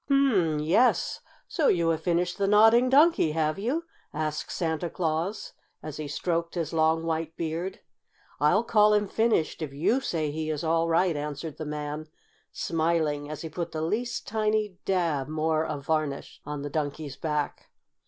"Hum! Yes! So you have finished the Nodding Donkey, have you?" asked Santa Claus, as he stroked his long, white beard. "I'll call him finished if you say he is all right," answered the man, smiling as he put the least tiny dab more of varnish on the Donkey's back.